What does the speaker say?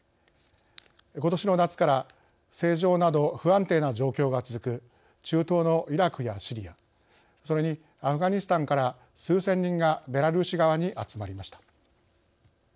ことしの夏から政情など不安定な状況が続く中東のイラクやシリアそれにアフガニスタンから数千人がベラルーシ側に集まりました。